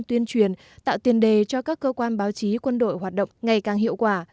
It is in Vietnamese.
tuyên truyền tạo tiền đề cho các cơ quan báo chí quân đội hoạt động ngày càng hiệu quả